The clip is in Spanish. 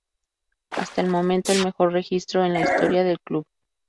Hasta el momento, el mejor registro en la historia del club.